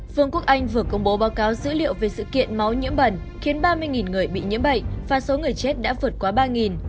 vương quốc anh vừa công bố báo cáo dữ liệu về sự kiện máu nhiễm bẩn khiến ba mươi người bị nhiễm bệnh và số người chết đã vượt qua ba